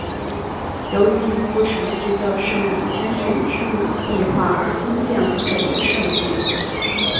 由于一幅神奇的圣母谦逊之母壁画而兴建了这座圣殿。